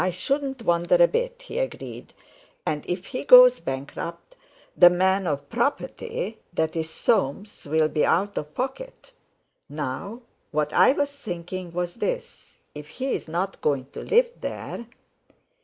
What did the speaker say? "I shouldn't wonder a bit!" he agreed; "and if he goes bankrupt, the 'man of property'—that is, Soames'll be out of pocket. Now, what I was thinking was this: If he's not going to live there...."